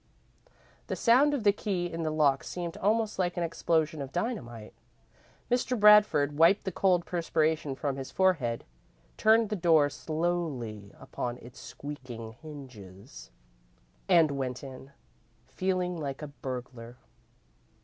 The sound of the key in the lock seemed almost like an explosion of dynamite. Mr. Bradford wiped the cold perspiration from his forehead, turned the door slowly upon its squeaky hinges, and went in, feeling like a burglar.